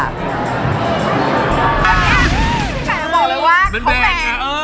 พี่แหม่งเขาบอกเลยว่ามันแหม่ง